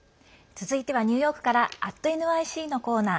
続いてはニューヨークから「＠ｎｙｃ」のコーナー。